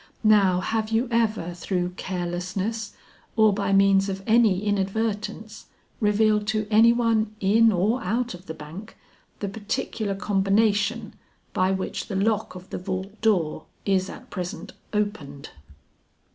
Now have you ever through carelessness or by means of any inadvertence, revealed to any one in or out of the bank, the particular combination by which the lock of the vault door is at present opened?"